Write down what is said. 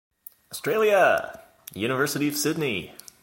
Australia: University of Sydney.